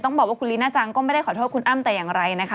บอกว่าคุณลีน่าจังก็ไม่ได้ขอโทษคุณอ้ำแต่อย่างไรนะคะ